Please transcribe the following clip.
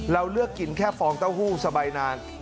เราเลือกกินแค่ฟองเต้าหู้สบายนาน